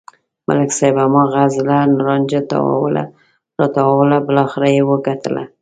ملک صاحب هماغه زړه لانجه تاووله راتاووله بلاخره و یې گټله.